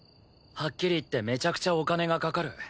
はっきり言ってめちゃくちゃお金がかかる。